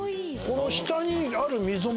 この下にある溝も。